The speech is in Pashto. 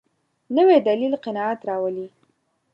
نوی دلیل قناعت راولي